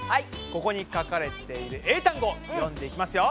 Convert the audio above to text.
ここに書かれている英単語読んでいきますよ。